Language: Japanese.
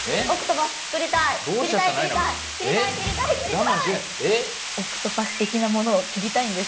はい切りたいんです。